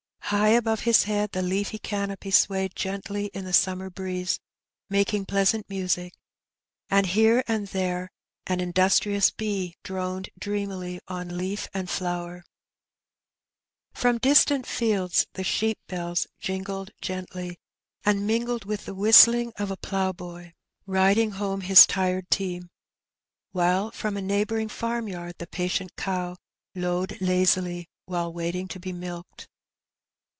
High above his head the leafy canopy swayed gently in the summer breeze, making pleasant music, and here and there an industrious bee droned dreamily on leaf and flower. Prom distant fields the sheep bells jingled gently, ^nd mingled with the whistling of a ploughboy riding 250 Heb Bennt. home his tired tesniy while from a neighboaring farmyard the patient cows lowed lazily while waiting to be milked.